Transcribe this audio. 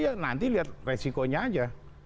ya nanti lihat resikonya aja